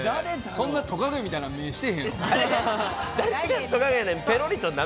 そんなトカゲみたいな目してへんやろ。